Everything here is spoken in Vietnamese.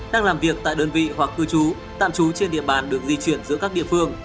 đang làm việc tại đơn vị hoặc cư trú tạm trú trên địa bàn được di chuyển giữa các địa phương